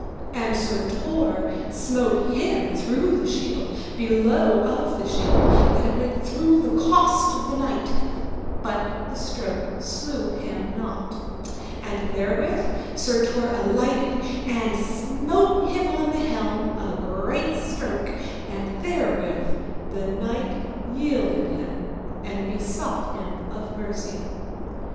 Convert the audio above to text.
And Sir Tor smote him through the shield below of the shield that it went through the cost of the knight, but the stroke slew him not. And therewith Sir Tor alighted and smote him on the helm a great stroke, and therewith the knight yielded him and besought him of mercy.